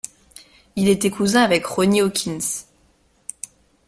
Il était cousin avec Ronnie Hawkins.